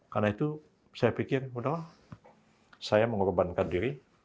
karena itu saya pikir mudah lah saya mengorbankan diri